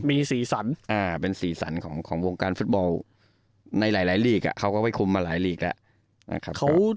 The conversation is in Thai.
มีสี่สรรอ่าเป็นสี่สรรของวงการฟุตบอลในหลายลีกอะเขาก็ไม่คุ้มมาหลายลีกละ